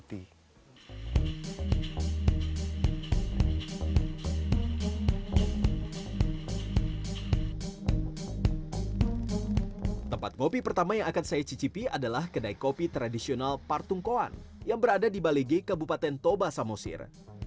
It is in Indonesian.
tempat kopi pertama yang akan saya cicipi adalah kedai kopi tradisional partungkoan yang berada di balege kabupaten toba samosir